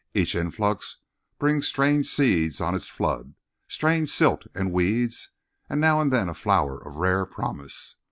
Each influx brings strange seeds on its flood, strange silt and weeds, and now and then a flower of rare promise.